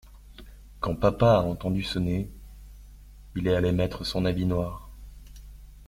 Quand papa a entendu sonner… il est allé mettre son habit noir.